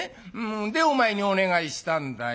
でお前にお願いしたんだよ。